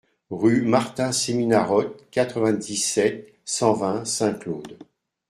Rue Martin Semiramoth, quatre-vingt-dix-sept, cent vingt Saint-Claude